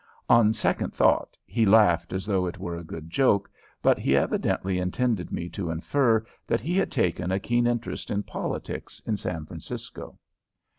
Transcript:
On second thought he laughed as though it were a good joke, but he evidently intended me to infer that he had taken a keen interest in politics in San Francisco.